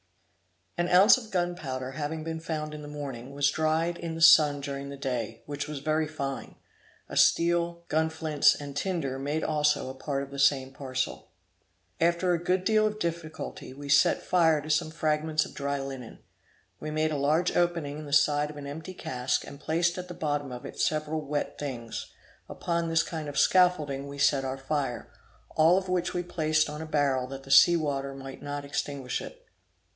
An ounce of gunpowder having been found in the morning, was dried in the sun during the day, which was very fine; a steel, gunflints, and tinder made also a part of the same parcel. After a good deal of difficulty we set fire to some fragments of dry linen. We made a large opening in the side of an empty cask, and placed at the bottom of it several wet things, and upon this kind of scaffolding we set our fire; all of which we placed on a barrel that the sea water might not extinguish it.